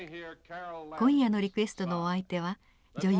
今夜のリクエストのお相手は女優